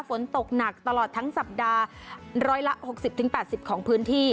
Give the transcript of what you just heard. ฝนตกหนักตลอดทั้งสัปดาห์๑๖๐๘๐ของพื้นที่